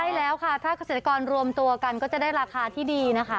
ใช่แล้วค่ะถ้าเกษตรกรรวมตัวกันก็จะได้ราคาที่ดีนะคะ